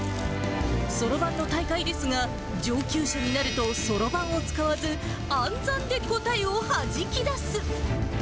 そろばんの大会ですが、上級者になると、そろばんを使わず、暗算で答えをはじき出す。